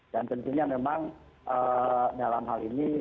dan tentunya memang dalam hal ini